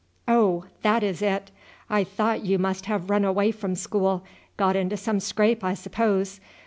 "Oh, that is it! I thought you must have run away from school; got into some scrape, I suppose.